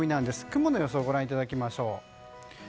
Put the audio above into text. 雲の様子をご覧いただきましょう。